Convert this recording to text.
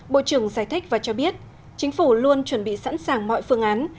bộ trưởng giải thích và cho biết chính phủ luôn chuẩn bị sẵn sàng mọi phương án